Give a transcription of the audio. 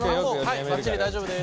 はいばっちり大丈夫です。